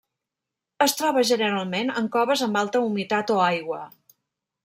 Es troba generalment en coves amb alta humitat o aigua.